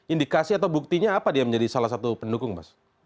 indikasi atau buktinya apa dia menjadi salah satu pendukung mas